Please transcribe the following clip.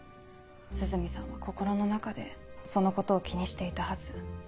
涼見さんは心の中でそのことを気にしていたはず。